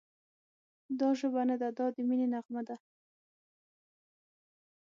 دا ژبه نه ده، دا د مینې نغمه ده»